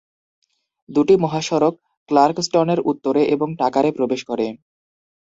দুটি মহাসড়ক ক্লার্কস্টনের উত্তরে এবং টাকারে প্রবেশ করে।